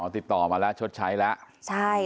ติดต่อมาแล้วชดใช้แล้ว